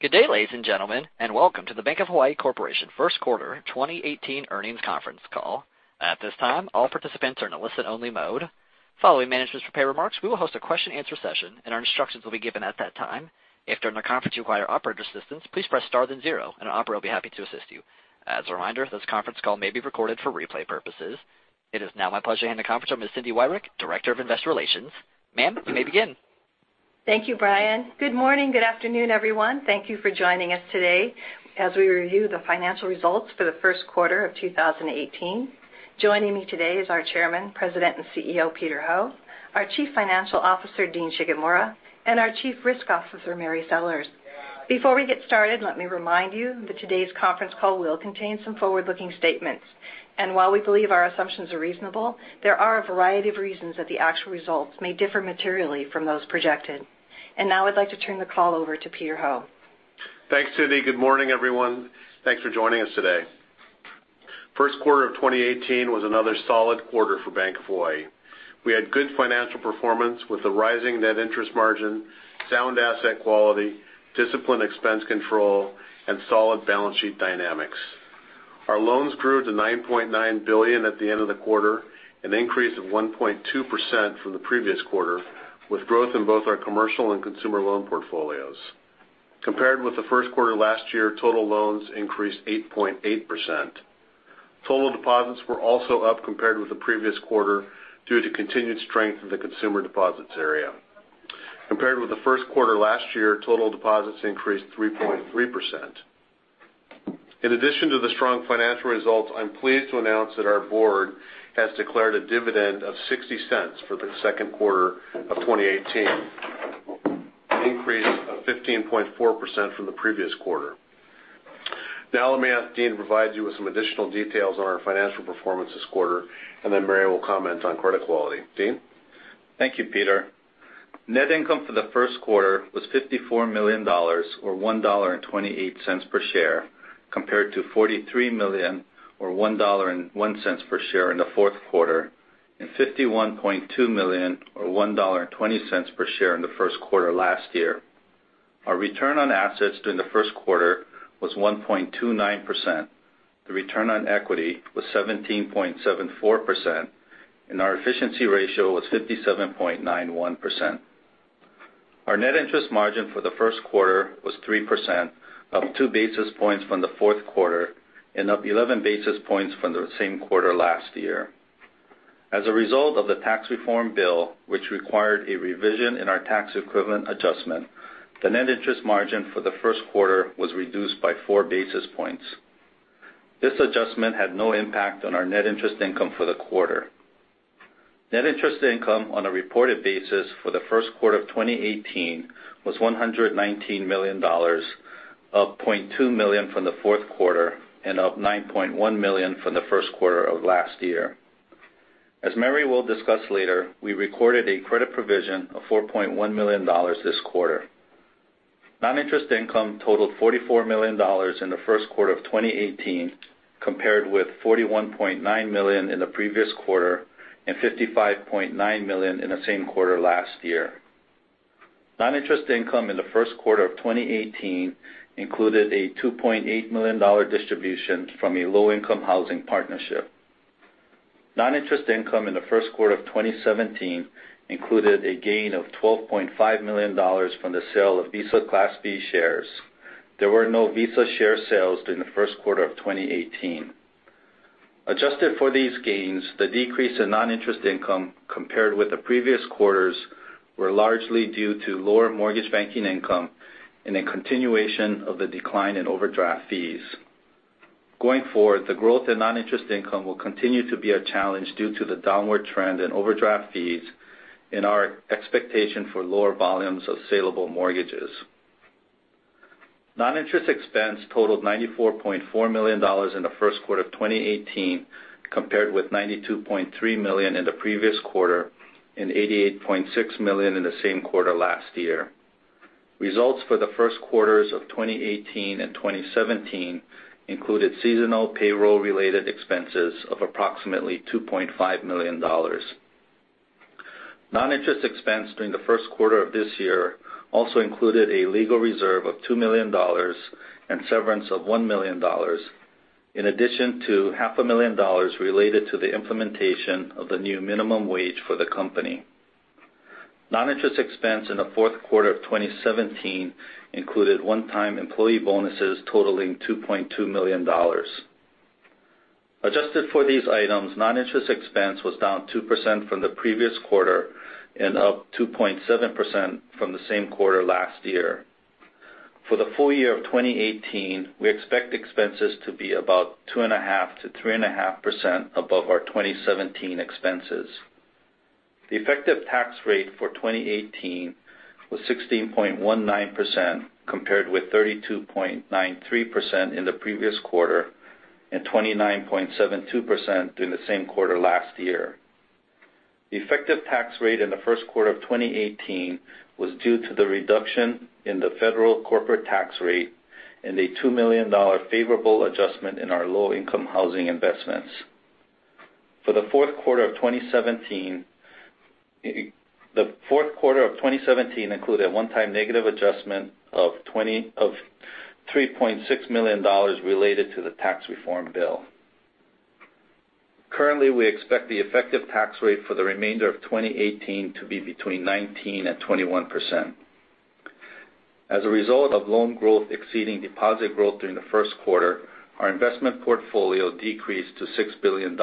Good day, ladies and gentlemen. Welcome to the Bank of Hawaii Corporation first quarter 2018 earnings conference call. At this time, all participants are in a listen only mode. Following management's prepared remarks, we will host a question answer session. Our instructions will be given at that time. If during the conference you require operator assistance, please press star then zero. An operator will be happy to assist you. As a reminder, this conference call may be recorded for replay purposes. It is now my pleasure to hand the conference to Ms. Cindy Wyrick, Director of Investor Relations. Ma'am, you may begin. Thank you, Brian. Good morning. Good afternoon, everyone. Thank you for joining us today as we review the financial results for the first quarter of 2018. Joining me today is our Chairman, President, and CEO, Peter Ho, our Chief Financial Officer, Dean Shigemura, and our Chief Risk Officer, Mary Sellers. Before we get started, let me remind you that today's conference call will contain some forward-looking statements. While we believe our assumptions are reasonable, there are a variety of reasons that the actual results may differ materially from those projected. Now I'd like to turn the call over to Peter Ho. Thanks, Cindy. Good morning, everyone. Thanks for joining us today. First quarter of 2018 was another solid quarter for Bank of Hawaii. We had good financial performance with a rising net interest margin, sound asset quality, disciplined expense control, and solid balance sheet dynamics. Our loans grew to $9.9 billion at the end of the quarter, an increase of 1.2% from the previous quarter, with growth in both our commercial and consumer loan portfolios. Compared with the first quarter last year, total loans increased 8.8%. Total deposits were also up compared with the previous quarter due to continued strength in the consumer deposits area. Compared with the first quarter last year, total deposits increased 3.3%. In addition to the strong financial results, I'm pleased to announce that our board has declared a dividend of $0.60 for the second quarter of 2018, an increase of 15.4% from the previous quarter. Now I'm going to ask Dean to provide you with some additional details on our financial performance this quarter. Then Mary will comment on credit quality. Dean? Thank you, Peter. Net income for the first quarter was $54 million, or $1.28 per share, compared to $43 million, or $1.01 per share in the fourth quarter, and $51.2 million, or $1.20 per share in the first quarter last year. Our return on assets during the first quarter was 1.29%. The return on equity was 17.74%, and our efficiency ratio was 57.91%. Our net interest margin for the first quarter was 3%, up 2 basis points from the fourth quarter and up 11 basis points from the same quarter last year. As a result of the tax reform bill, which required a revision in our tax equivalent adjustment, the net interest margin for the first quarter was reduced by 4 basis points. This adjustment had no impact on our net interest income for the quarter. Net interest income on a reported basis for the first quarter of 2018 was $119 million, up $0.2 million from the fourth quarter and up $9.1 million from the first quarter of last year. As Mary will discuss later, we recorded a credit provision of $4.1 million this quarter. Noninterest income totaled $44 million in the first quarter of 2018, compared with $41.9 million in the previous quarter and $55.9 million in the same quarter last year. Noninterest income in the first quarter of 2018 included a $2.8 million distribution from a low-income housing partnership. Noninterest income in the first quarter of 2017 included a gain of $12.5 million from the sale of Visa Class B shares. There were no Visa share sales during the first quarter of 2018. Adjusted for these gains, the decrease in noninterest income compared with the previous quarters were largely due to lower mortgage banking income and a continuation of the decline in overdraft fees. Going forward, the growth in noninterest income will continue to be a challenge due to the downward trend in overdraft fees and our expectation for lower volumes of saleable mortgages. Noninterest expense totaled $94.4 million in the first quarter of 2018, compared with $92.3 million in the previous quarter and $88.6 million in the same quarter last year. Results for the first quarters of 2018 and 2017 included seasonal payroll-related expenses of approximately $2.5 million. Noninterest expense during the first quarter of this year also included a legal reserve of $2 million and severance of $1 million, in addition to $500,000 related to the implementation of the new minimum wage for the company. Noninterest expense in the fourth quarter of 2017 included one-time employee bonuses totaling $2.2 million. Adjusted for these items, noninterest expense was down 2% from the previous quarter and up 2.7% from the same quarter last year. For the full year of 2018, we expect expenses to be about 2.5%-3.5% above our 2017 expenses. The effective tax rate for 2018 was 16.19%, compared with 32.93% in the previous quarter and 29.72% during the same quarter last year. The effective tax rate in the first quarter of 2018 was due to the reduction in the federal corporate tax rate and a $2 million favorable adjustment in our low-income housing investments. For the fourth quarter of 2017, included a one-time negative adjustment of $3.6 million related to the tax reform bill. Currently, we expect the effective tax rate for the remainder of 2018 to be between 19% and 21%. As a result of loan growth exceeding deposit growth during the first quarter, our investment portfolio decreased to $6 billion.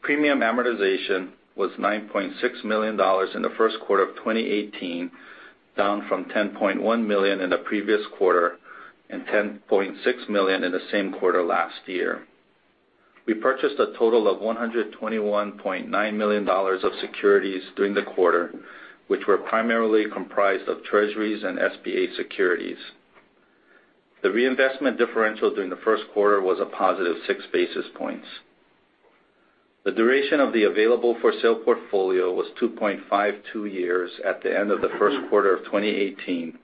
Premium amortization was $9.6 million in the first quarter of 2018, down from $10.1 million in the previous quarter and $10.6 million in the same quarter last year. We purchased a total of $121.9 million of securities during the quarter, which were primarily comprised of Treasuries and SBA securities. The reinvestment differential during the first quarter was a positive six basis points. The duration of the available-for-sale portfolio was 2.52 years at the end of the first quarter of 2018.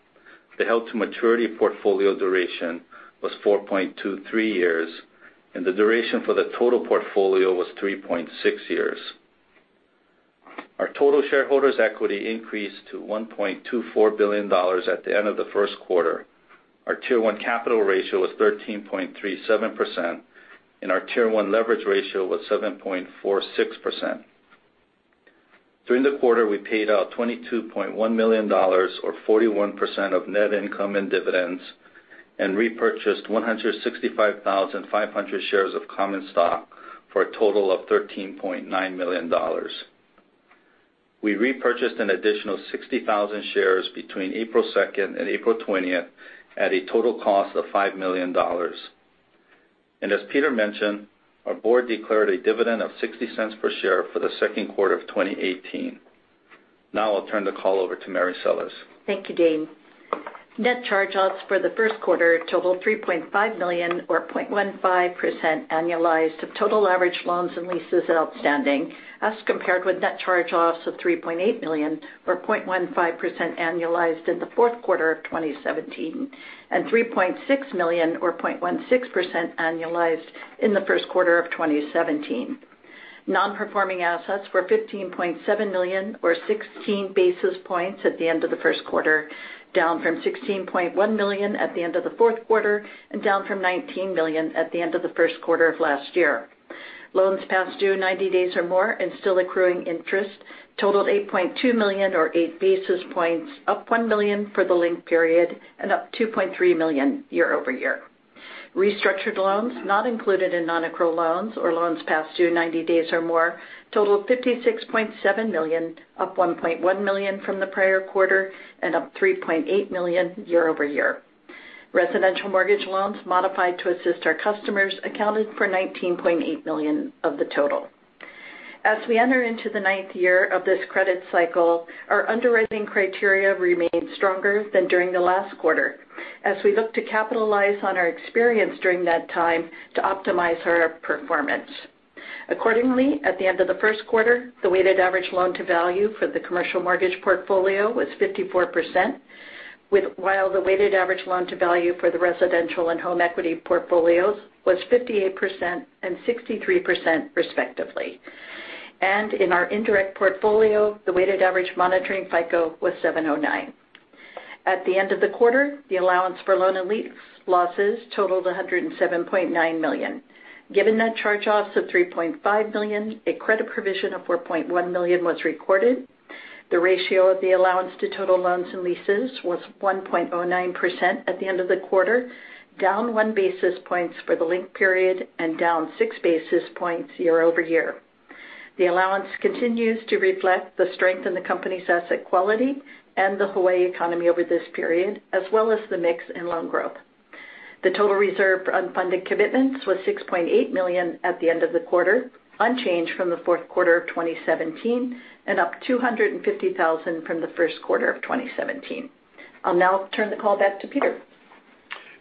The held-to-maturity portfolio duration was 4.23 years, and the duration for the total portfolio was 3.6 years. Our total shareholders' equity increased to $1.24 billion at the end of the first quarter. Our Tier 1 capital ratio was 13.37%, and our Tier 1 leverage ratio was 7.46%. During the quarter, we paid out $22.1 million, or 41% of net income and dividends, and repurchased 165,500 shares of common stock for a total of $13.9 million. We repurchased an additional 60,000 shares between April 2nd and April 20th at a total cost of $5 million. As Peter mentioned, our board declared a dividend of $0.60 per share for the second quarter of 2018. Now I'll turn the call over to Mary Sellers. Thank you, Dean. Net charge-offs for the first quarter total $3.5 million, or 0.15% annualized of total average loans and leases outstanding, as compared with net charge-offs of $3.8 million or 0.15% annualized in the fourth quarter of 2017, and $3.6 million or 0.16% annualized in the first quarter of 2017. Non-performing assets were $15.7 million or 16 basis points at the end of the first quarter, down from $16.1 million at the end of the fourth quarter and down from $19 million at the end of the first quarter of last year. Loans past due 90 days or more and still accruing interest totaled $8.2 million or eight basis points, up $1 million for the linked period and up $2.3 million year over year. Restructured loans not included in non-accrual loans or loans past due 90 days or more totaled $56.7 million, up $1.1 million from the prior quarter and up $3.8 million year over year. Residential mortgage loans modified to assist our customers accounted for $19.8 million of the total. As we enter into the ninth year of this credit cycle, our underwriting criteria remained stronger than during the last quarter, as we look to capitalize on our experience during that time to optimize our performance. Accordingly, at the end of the first quarter, the weighted average loan-to-value for the commercial mortgage portfolio was 54%, while the weighted average loan-to-value for the residential and home equity portfolios was 58% and 63%, respectively. In our indirect portfolio, the weighted average monitoring FICO was 709. At the end of the quarter, the allowance for loan and lease losses totaled $107.9 million. Given net charge-offs of $3.5 million, a credit provision of $4.1 million was recorded. The ratio of the allowance to total loans and leases was 1.09% at the end of the quarter, down one basis point for the linked period and down six basis points year-over-year. The allowance continues to reflect the strength in the company's asset quality and the Hawaii economy over this period, as well as the mix in loan growth. The total reserve for unfunded commitments was $6.8 million at the end of the quarter, unchanged from the fourth quarter of 2017 and up $250,000 from the first quarter of 2017. I'll now turn the call back to Peter.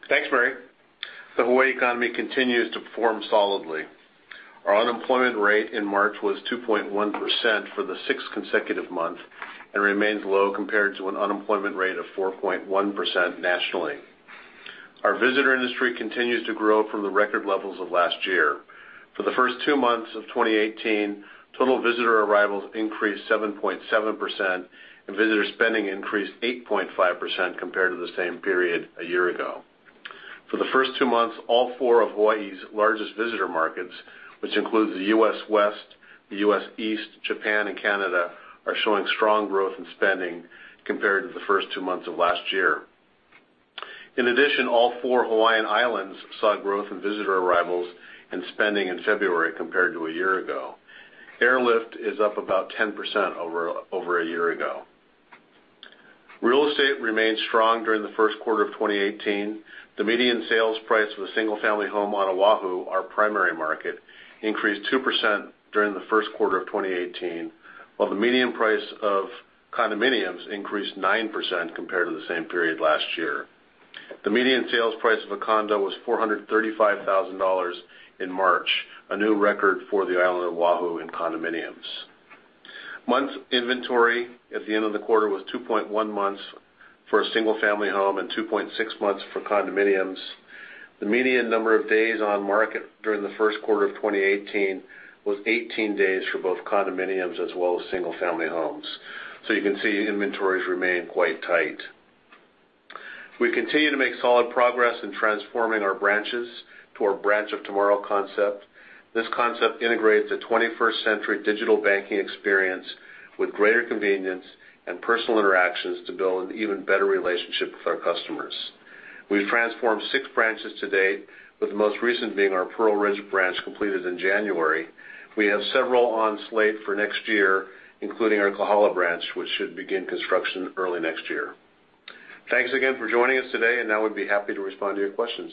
Thanks, Mary. The Hawaii economy continues to perform solidly. Our unemployment rate in March was 2.1% for the sixth consecutive month and remains low compared to an unemployment rate of 4.1% nationally. Our visitor industry continues to grow from the record levels of last year. For the first two months of 2018, total visitor arrivals increased 7.7%, and visitor spending increased 8.5% compared to the same period a year-ago. For the first two months, all four of Hawaii's largest visitor markets, which includes the U.S. West, the U.S. East, Japan, and Canada, are showing strong growth in spending compared to the first two months of last year. In addition, all four Hawaiian islands saw growth in visitor arrivals and spending in February compared to a year-ago. Airlift is up about 10% over a year-ago. Real estate remained strong during the first quarter of 2018. The median sales price of a single-family home on Oahu, our primary market, increased 2% during the first quarter of 2018, while the median price of condominiums increased 9% compared to the same period last year. The median sales price of a condo was $435,000 in March, a new record for the island of Oahu in condominiums. Month inventory at the end of the quarter was 2.1 months for a single family home and 2.6 months for condominiums. The median number of days on market during the first quarter of 2018 was 18 days for both condominiums as well as single family homes. You can see inventories remain quite tight. We continue to make solid progress in transforming our branches to our Branch of Tomorrow concept. This concept integrates a 21st century digital banking experience with greater convenience and personal interactions to build an even better relationship with our customers. We've transformed six branches to date, with the most recent being our Pearlridge branch, completed in January. We have several on slate for next year, including our Kahala branch, which should begin construction early next year. Thanks again for joining us today, and now we'd be happy to respond to your questions.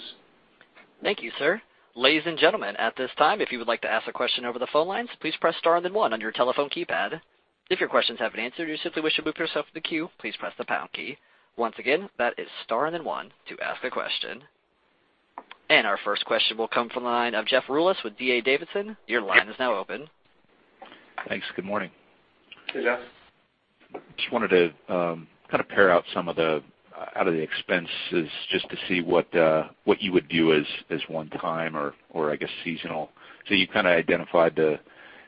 Thank you, sir. Ladies and gentlemen, at this time, if you would like to ask a question over the phone lines, please press star and then one on your telephone keypad. If your questions have been answered, or you simply wish to move yourself in the queue, please press the pound key. Once again, that is star and then one to ask a question. Our first question will come from the line of Jeff Rulis with D.A. Davidson. Your line is now open. Thanks. Good morning. Hey, Jeff. Just wanted to kind of pare out some of the expenses just to see what you would view as one-time or, I guess, seasonal. You kind of identified the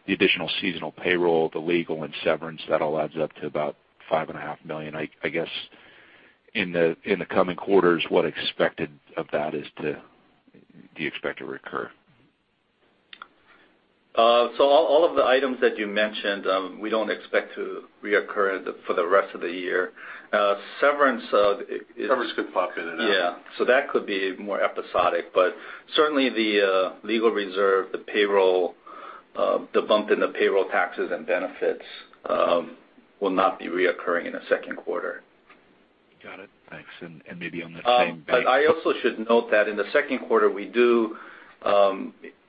additional seasonal payroll, the legal and severance. That all adds up to about $5.5 million. I guess in the coming quarters, what expected of that do you expect to recur? All of the items that you mentioned, we don't expect to reoccur for the rest of the year. Severance Severance could pop in and out. Yeah. That could be more episodic. Certainly, the legal reserve, the bump in the payroll taxes and benefits will not be reoccurring in the second quarter. Got it. Thanks. Maybe on that same I also should note that in the second quarter, we do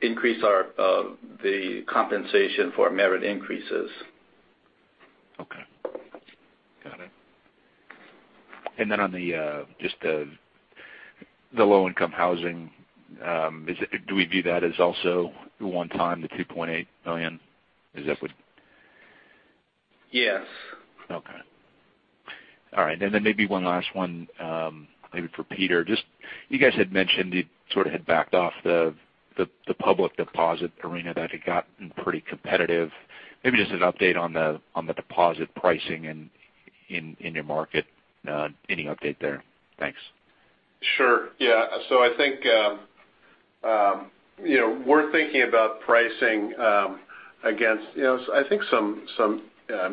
increase the compensation for merit increases. Okay. Got it. On just the low-income housing, do we view that as also one time, the $2.8 million? Yes. Okay. All right. Maybe one last one maybe for Peter. You guys had mentioned you sort of had backed off the public deposit arena, that it had gotten pretty competitive. Maybe just an update on the deposit pricing in your market. Any update there? Thanks. Sure. Yeah. I think we're thinking about pricing against some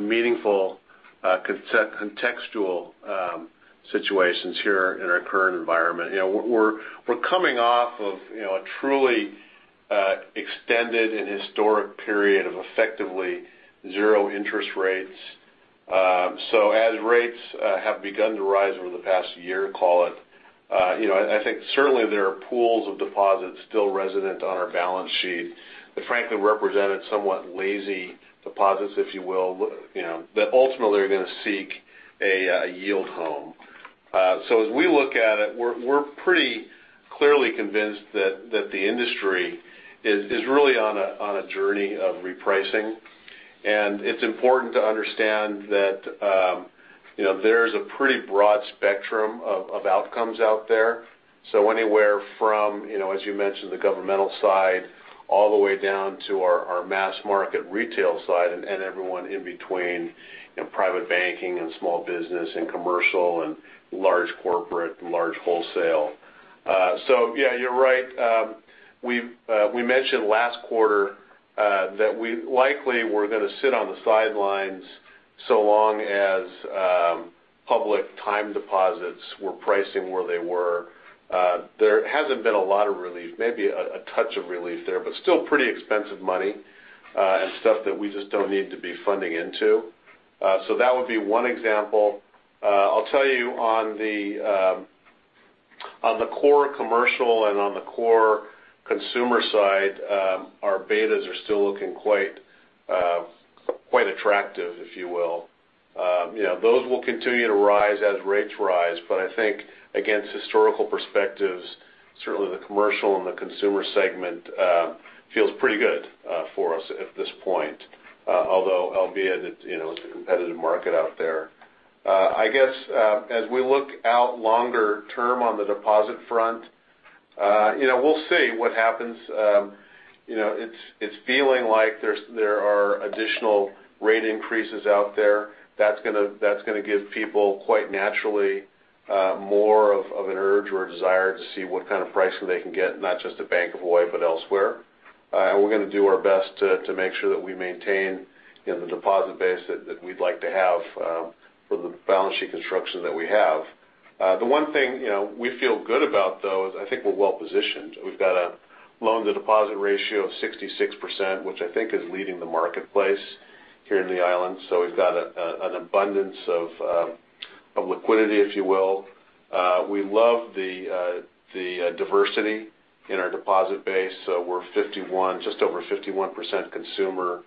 meaningful contextual situations here in our current environment. We're coming off of a truly extended and historic period of effectively zero interest rates. As rates have begun to rise over the past year, call it, I think certainly there are pools of deposits still resident on our balance sheet that frankly represented somewhat lazy deposits, if you will, that ultimately are going to seek a yield home. As we look at it, we're pretty clearly convinced that the industry is really on a journey of repricing. It's important to understand that there is a pretty broad spectrum of outcomes out there. Anywhere from, as you mentioned, the governmental side, all the way down to our mass market retail side and everyone in between, and private banking and small business and commercial and large corporate and large wholesale. Yeah, you're right. We mentioned last quarter that we likely were going to sit on the sidelines so long as public time deposits were pricing where they were. There hasn't been a lot of relief, maybe a touch of relief there, but still pretty expensive money and stuff that we just don't need to be funding into. That would be one example. I'll tell you on the core commercial and on the core consumer side, our betas are still looking quite attractive, if you will. Those will continue to rise as rates rise. I think against historical perspectives, certainly the commercial and the consumer segment feels pretty good for us at this point, although albeit it's a competitive market out there. I guess as we look out longer term on the deposit front, we'll see what happens. It's feeling like there are additional rate increases out there. That's going to give people quite naturally more of an urge or desire to see what kind of pricing they can get, not just at Bank of Hawaii, but elsewhere. We're going to do our best to make sure that we maintain the deposit base that we'd like to have for the balance sheet construction that we have. The one thing we feel good about, though, is I think we're well-positioned. We've got a loan-to-deposit ratio of 66%, which I think is leading the marketplace here in the islands. We've got an abundance of liquidity, if you will. We love the diversity in our deposit base. We're just over 51% consumer,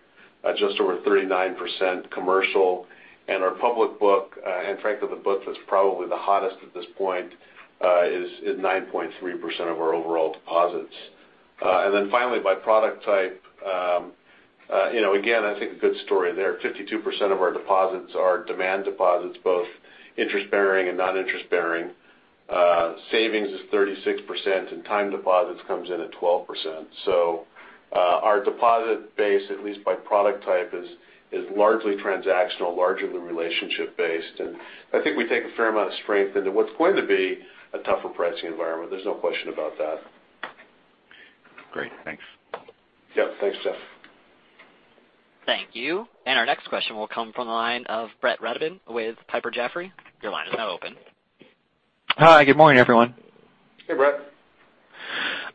just over 39% commercial. Our public book, and frankly, the book that's probably the hottest at this point is 9.3% of our overall deposits. Then finally, by product type. Again, I think a good story there. 52% of our deposits are demand deposits, both interest-bearing and non-interest-bearing. Savings is 36%, and time deposits comes in at 12%. Our deposit base, at least by product type, is largely transactional, largely relationship based. I think we take a fair amount of strength into what's going to be a tougher pricing environment, there's no question about that. Great. Thanks. Yep. Thanks, Jeff. Thank you. Our next question will come from the line of Brett Rabatin with Piper Jaffray. Your line is now open. Hi. Good morning, everyone. Hey, Brett.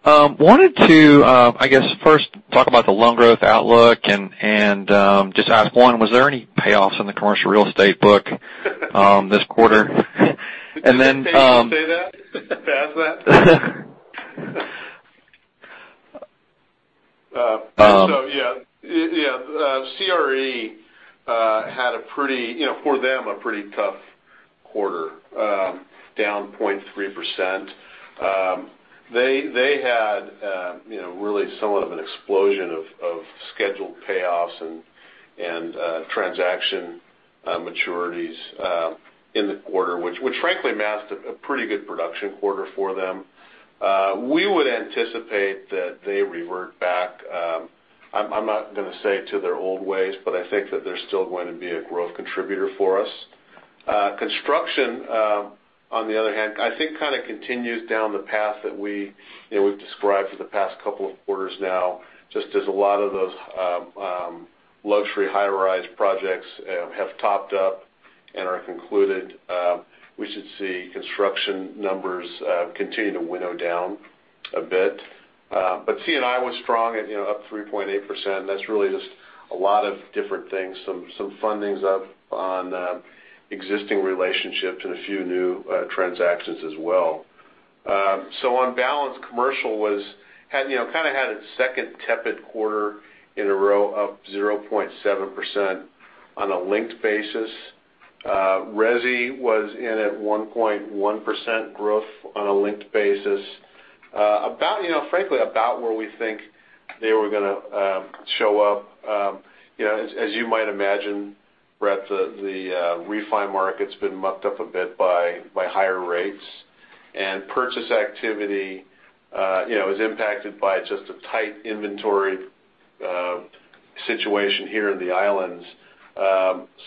Wanted to, I guess first talk about the loan growth outlook and just ask, one, was there any payoffs in the commercial real estate book this quarter? Did you pay to say that? To ask that? Yeah. CRE, for them, a pretty tough quarter, down 0.3%. They had really somewhat of an explosion of scheduled payoffs and transaction maturities in the quarter, which frankly masked a pretty good production quarter for them. We would anticipate that they revert back. I'm not going to say to their old ways, but I think that they're still going to be a growth contributor for us. Construction, on the other hand, I think kind of continues down the path that we've described for the past couple of quarters now. Just as a lot of those luxury high-rise projects have topped up and are concluded. We should see construction numbers continue to winnow down a bit. C&I was strong at up 3.8%. That's really just a lot of different things. Some fundings up on existing relationships and a few new transactions as well. On balance, commercial kind of had its second tepid quarter in a row, up 0.7% on a linked basis. Resi was in at 1.1% growth on a linked basis. Frankly, about where we think they were going to show up. As you might imagine, Brett, the refi market's been mucked up a bit by higher rates. Purchase activity is impacted by just a tight inventory situation here in the islands.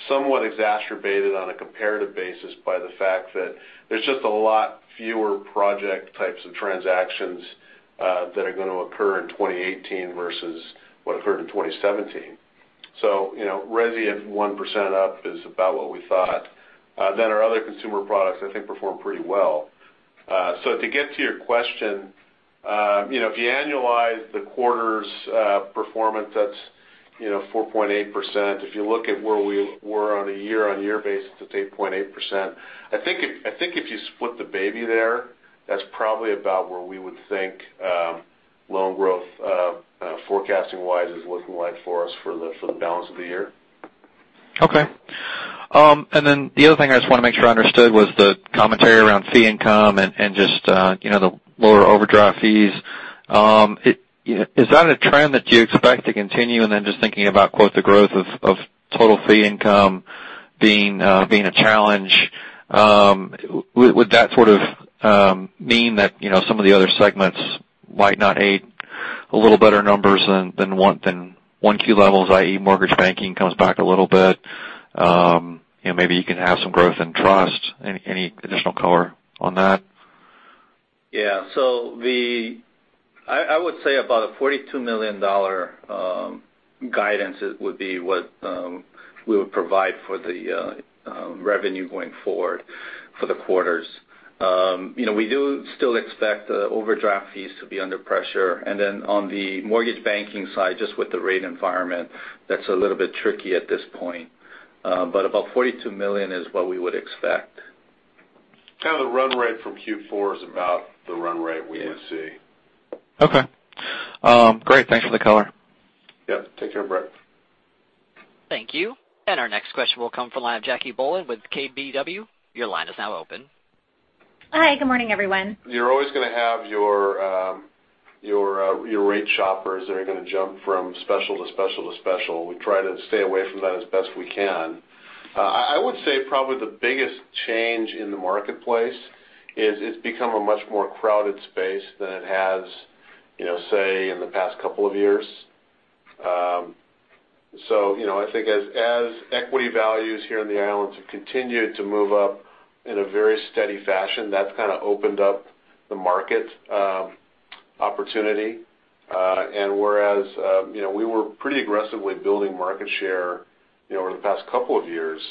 Somewhat exacerbated on a comparative basis by the fact that there's just a lot fewer project types of transactions that are going to occur in 2018 versus what occurred in 2017. Resi at 1% up is about what we thought. Our other consumer products I think performed pretty well. To get to your question, if you annualize the quarter's performance, that's 4.8%. If you look at where we were on a year-on-year basis, it's 8.8%. I think if you split the baby there, that's probably about where we would think loan growth forecasting-wise is looking like for us for the balance of the year. Okay. The other thing I just want to make sure I understood was the commentary around fee income and just the lower overdraft fees. Is that a trend that you expect to continue? Thinking about the growth of total fee income being a challenge. Would that sort of mean that some of the other segments might not aid a little better numbers than 1Q levels, i.e., mortgage banking comes back a little bit. Maybe you can have some growth in trust. Any additional color on that? Yeah. I would say about a $42 million guidance would be what we would provide for the revenue going forward for the quarters. We do still expect overdraft fees to be under pressure. On the mortgage banking side, just with the rate environment, that's a little bit tricky at this point. About $42 million is what we would expect. Kind of the run rate from Q4 is about the run rate we would see. Okay. Great. Thanks for the color. Yep. Take care, Brett. Thank you. Our next question will come from the line of Jacquelynne Bohlen with KBW. Your line is now open. Hi, good morning, everyone. You're always going to have your rate shoppers that are going to jump from special to special to special. We try to stay away from that as best we can. I would say probably the biggest change in the marketplace is it's become a much more crowded space than it has, say, in the past couple of years. I think as equity values here in the islands have continued to move up in a very steady fashion, that's kind of opened up the market opportunity. Whereas we were pretty aggressively building market share over the past couple of years,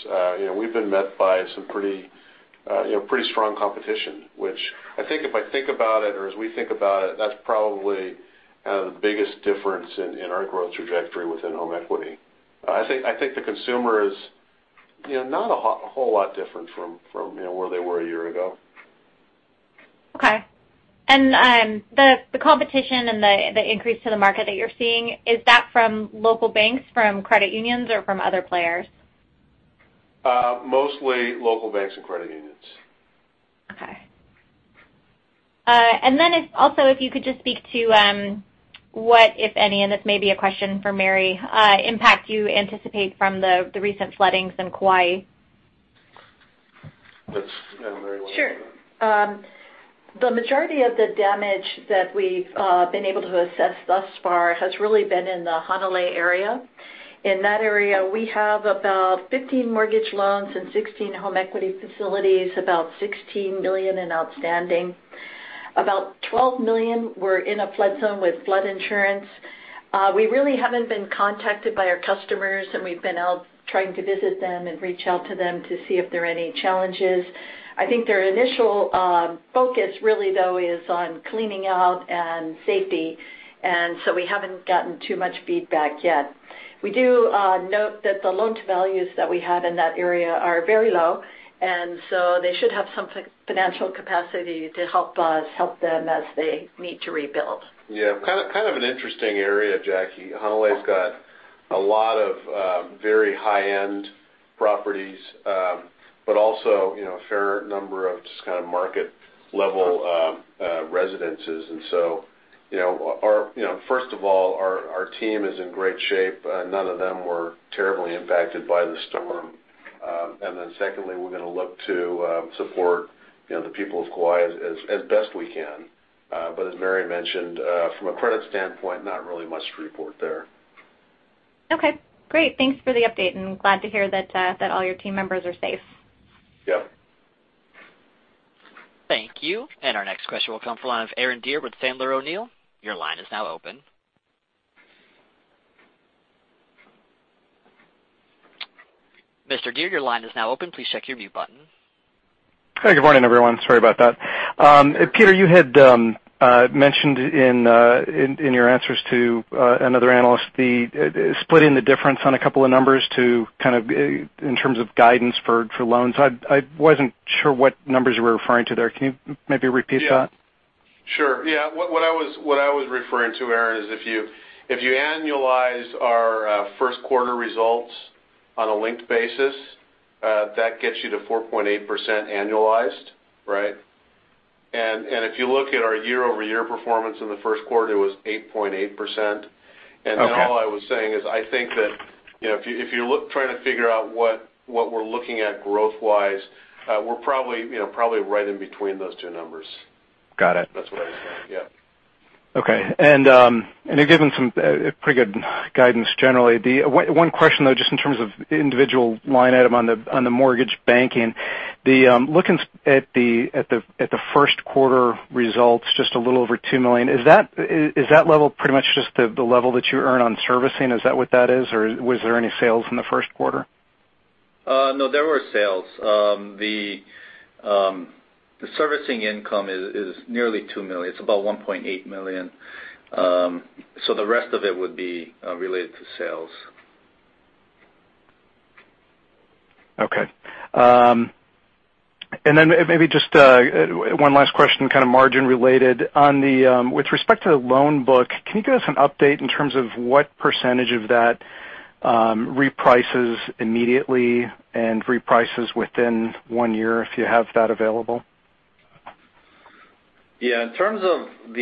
we've been met by some pretty strong competition. I think if I think about it, or as we think about it, that's probably kind of the biggest difference in our growth trajectory within home equity. I think the consumer is not a whole lot different from where they were a year ago. Okay. The competition and the increase to the market that you're seeing, is that from local banks, from credit unions, or from other players? Mostly local banks and credit unions. Okay. If you could just speak to what, if any, and this may be a question for Mary, impact you anticipate from the recent floodings in Kauai. That's, yeah, Mary. Sure. The majority of the damage that we've been able to assess thus far has really been in the Hanalei area. In that area, we have about 15 mortgage loans and 16 home equity facilities, about $16 million in outstanding. About $12 million were in a flood zone with flood insurance. We really haven't been contacted by our customers, and we've been out trying to visit them and reach out to them to see if there are any challenges. I think their initial focus really though, is on cleaning out and safety. We haven't gotten too much feedback yet. We do note that the Loan-to-Value that we have in that area are very low, and so they should have some financial capacity to help us help them as they need to rebuild. Yeah. Kind of an interesting area, Jackie. Hanalei's got a lot of very high-end properties. Also a fair number of just kind of market-level residences. First of all, our team is in great shape. None of them were terribly impacted by the storm. Secondly, we're going to look to support the people of Kauai as best we can. As Mary mentioned, from a credit standpoint, not really much to report there. Okay, great. Thanks for the update, and glad to hear that all your team members are safe. Yep. Thank you. Our next question will come from the line of Aaron Deer with Sandler O'Neill. Your line is now open. Mr. Deer, your line is now open. Please check your mute button. Hey, good morning, everyone. Sorry about that. Peter, you had mentioned in your answers to another analyst, the splitting the difference on a couple of numbers to kind of in terms of guidance for loans. I wasn't sure what numbers you were referring to there. Can you maybe repeat that? Sure. Yeah. What I was referring to, Aaron, is if you annualize our first quarter results on a linked basis, that gets you to 4.8% annualized. Right? If you look at our year-over-year performance in the first quarter, it was 8.8%. Okay. Then all I was saying is, I think that if you're trying to figure out what we're looking at growth-wise, we're probably right in between those two numbers. Got it. That's what I was saying. Yeah. Okay. You've given some pretty good guidance generally. One question, though, just in terms of individual line item on the mortgage banking. Looking at the first quarter results, just a little over $2 million, is that level pretty much just the level that you earn on servicing? Is that what that is, or was there any sales in the first quarter? No, there were sales. The servicing income is nearly $2 million. It's about $1.8 million. The rest of it would be related to sales. Okay. Maybe just one last question, kind of margin related. With respect to the loan book, can you give us an update in terms of what percentage of that reprices immediately and reprices within one year, if you have that available? Yeah. In terms of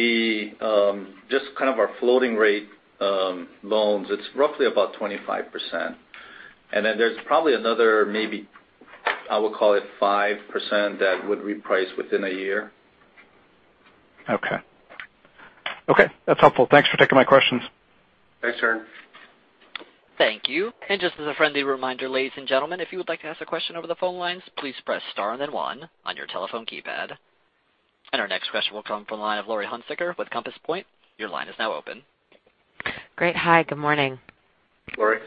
just kind of our floating rate loans, it's roughly about 25%. There's probably another, maybe I would call it 5%, that would reprice within a year. Okay. Okay, that's helpful. Thanks for taking my questions. Thanks, Aaron. Thank you. Just as a friendly reminder, ladies and gentlemen, if you would like to ask a question over the phone lines, please press star and then one on your telephone keypad. Our next question will come from the line of Laurie Hunsicker with Compass Point. Your line is now open. Great. Hi, good morning. Laurie.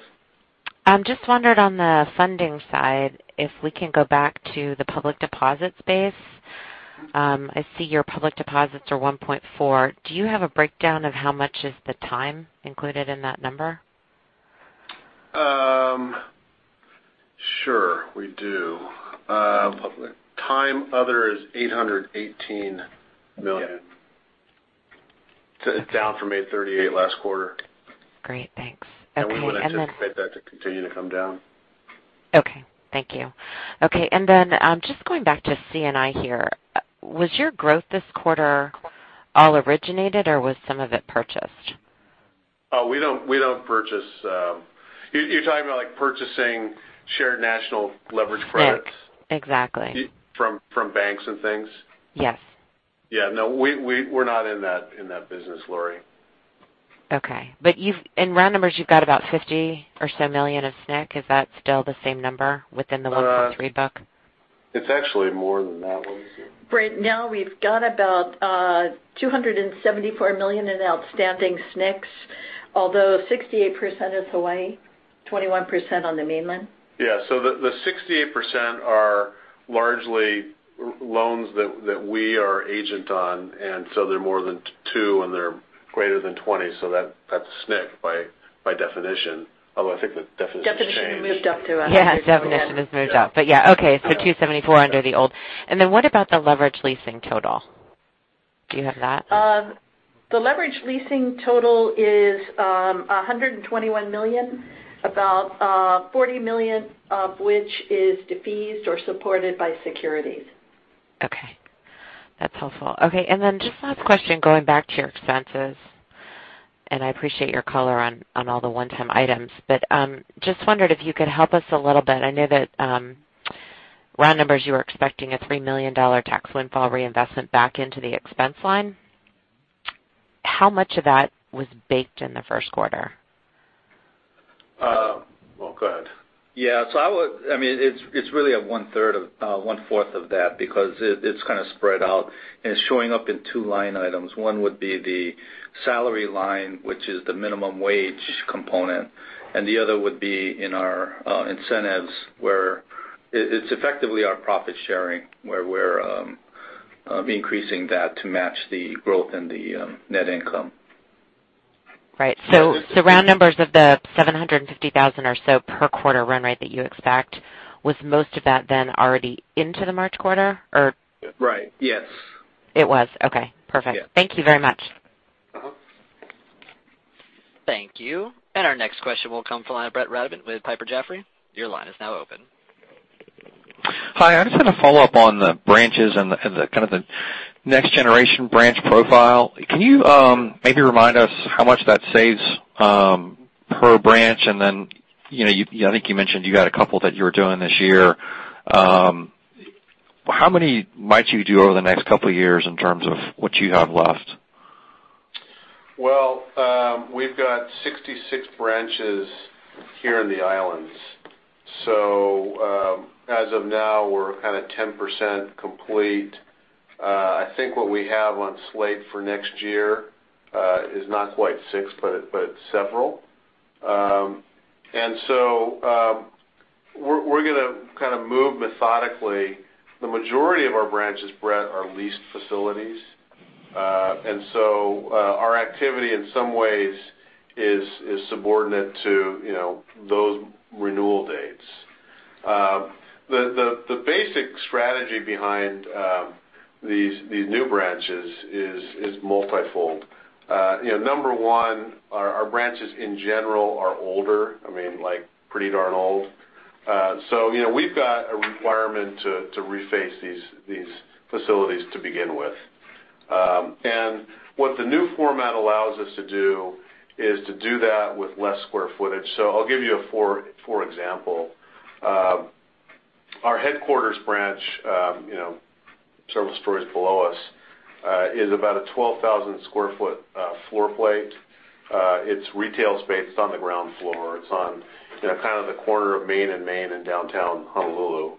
Just wondered on the funding side, if we can go back to the public deposit space. I see your public deposits are $1.4. Do you have a breakdown of how much is the time included in that number? Sure, we do. Public time, other is $818 million. It's down from $838 million last quarter. Great. Thanks. Okay. We want to anticipate that to continue to come down. Thank you. Just going back to C&I here. Was your growth this quarter all originated, or was some of it purchased? We don't purchase. You're talking about purchasing shared national credits? Exactly. From banks and things? Yes. Yeah, no, we're not in that business, Laurie. Okay. In round numbers, you've got about $50 or so million of SNC. Is that still the same number within the $1.3 book? It's actually more than that. What is it? Right now, we've got about $274 million in outstanding SNCs, although 68% is Hawaii, 21% on the mainland. Yeah. The 68% are largely loans that we are agent on, and so they're more than two, and they're greater than 20. That's SNC by definition, although I think the definition's changed. Definition moved up to. Yeah, definition has moved up. Yeah. Okay. $274 under the old. What about the leveraged leasing total? Do you have that? The leveraged leasing total is $121 million, about $40 million of which is defeased or supported by securities. Okay. That's helpful. Just last question, going back to your expenses. I appreciate your color on all the one-time items. Just wondered if you could help us a little bit. I know that round numbers, you were expecting a $3 million tax windfall reinvestment back into the expense line. How much of that was baked in the first quarter? Well, go ahead. Yeah. It's really a one-fourth of that because it's kind of spread out. It's showing up in two line items. One would be the salary line, which is the minimum wage component. The other would be in our incentives, where it's effectively our profit sharing, where we're increasing that to match the growth in the net income. Round numbers of the $750,000 or so per quarter run rate that you expect, was most of that then already into the March quarter? Yes. It was. Okay, perfect. Yeah. Thank you very much. Thank you. Our next question will come from the line of Brett Rabatin with Piper Jaffray. Your line is now open. Hi. I just had a follow-up on the branches and the kind of the next generation branch profile. Can you maybe remind us how much that saves per branch? Then, I think you mentioned you got a couple that you were doing this year. How many might you do over the next couple of years in terms of what you have left? Well, we've got 66 branches here in the islands. As of now, we're kind of 10% complete. I think what we have on slate for next year is not quite six, but several. So we're going to kind of move methodically. The majority of our branches, Brett, are leased facilities. So our activity in some ways is subordinate to those renewal dates. The basic strategy behind these new branches is multifold. Number one, our branches, in general, are older. I mean, pretty darn old. We've got a requirement to reface these facilities to begin with. What the new format allows us to do is to do that with less square footage. I'll give you for example. Our headquarters branch several stories below us is about a 12,000 square foot floor plate. Its retail space is on the ground floor. It's on kind of the corner of Main & Main in downtown Honolulu.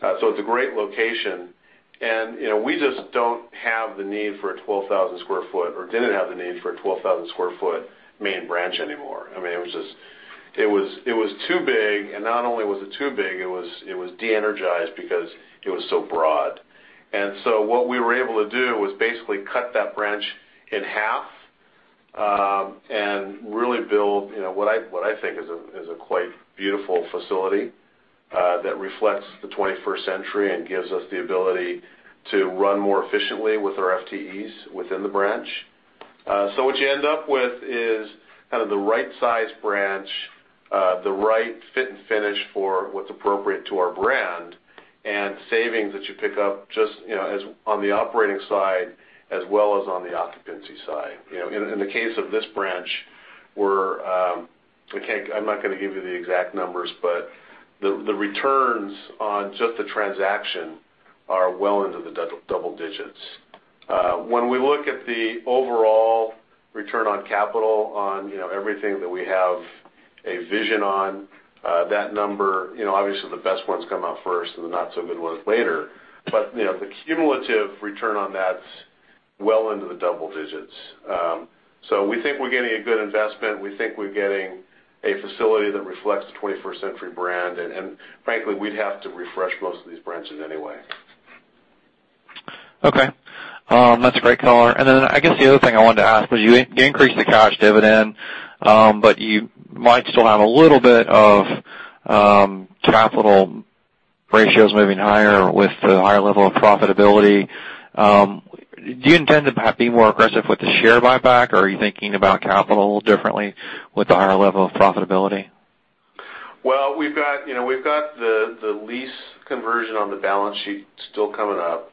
It's a great location, and we just don't have the need for a 12,000 square foot, or didn't have the need for a 12,000 square foot main branch anymore. It was too big, and not only was it too big, it was de-energized because it was so broad. So what we were able to do was basically cut that branch in half and really build what I think is a quite beautiful facility that reflects the 21st century and gives us the ability to run more efficiently with our FTEs within the branch. What you end up with is kind of the right size branch, the right fit and finish for what's appropriate to our brand, and savings that you pick up just on the operating side, as well as on the occupancy side. In the case of this branch, I'm not going to give you the exact numbers, but the returns on just the transaction are well into the double digits. When we look at the overall return on capital on everything that we have a vision on, that number, obviously, the best ones come out first and the not so good ones later. The cumulative return on that's well into the double digits. We think we're getting a good investment. We think we're getting a facility that reflects the 21st century brand. Frankly, we'd have to refresh most of these branches anyway. Okay. That's a great color. I guess the other thing I wanted to ask was you increased the cash dividend, but you might still have a little bit of capital ratios moving higher with the higher level of profitability. Do you intend to be more aggressive with the share buyback, or are you thinking about capital differently with the higher level of profitability? Well, we've got the lease conversion on the balance sheet still coming up.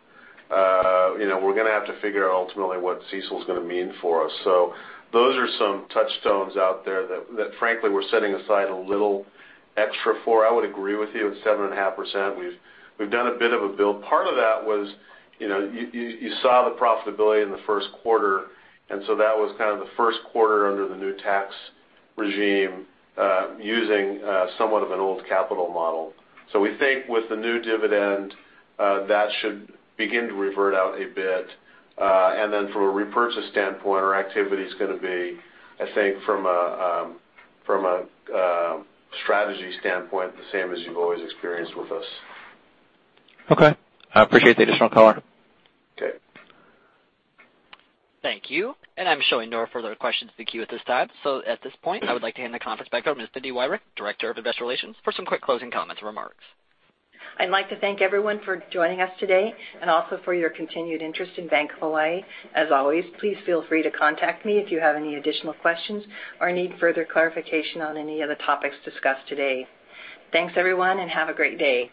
We're going to have to figure out ultimately what CECL is going to mean for us. Those are some touchstones out there that frankly, we're setting aside a little extra for. I would agree with you. At 7.5%, we've done a bit of a build. Part of that was you saw the profitability in the first quarter, that was kind of the first quarter under the new tax regime using somewhat of an old capital model. We think with the new dividend, that should begin to revert out a bit. From a repurchase standpoint, our activity is going to be, I think, from a strategy standpoint, the same as you've always experienced with us. Okay. I appreciate the additional color. Okay. Thank you. I'm showing no further questions in the queue at this time. At this point, I would like to hand the conference back over to Ms. Cindy Wyrick, Director of Investor Relations, for some quick closing comments and remarks. I'd like to thank everyone for joining us today and also for your continued interest in Bank of Hawaii. As always, please feel free to contact me if you have any additional questions or need further clarification on any of the topics discussed today. Thanks, everyone, and have a great day.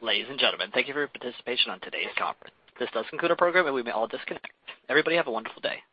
Ladies and gentlemen, thank you for your participation on today's conference. This does conclude our program, and we may all disconnect. Everybody have a wonderful day.